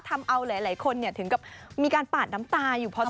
ทำเอาหลายคนเนี่ยถึงกับมีการปาดน้ำตาอยู่พอสมควร